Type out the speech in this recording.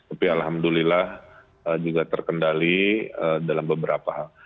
tapi alhamdulillah juga terkendali dalam beberapa hal